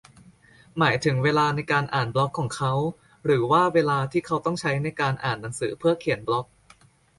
หมายถึงเวลาในการอ่านบล็อกของเขา หรือว่าเวลาที่เขาต้องใช้ในการอ่านหนังสือเพื่อเขียนบล็อก ?